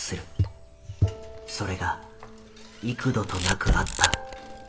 それが幾度となくあった。